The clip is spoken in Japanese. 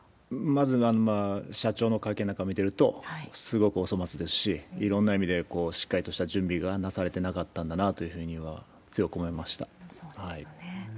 まずは社長の会見なんか見てると、すごくお粗末ですし、いろんな意味でしっかりとした準備がなされてなかったんだなといそうですよね。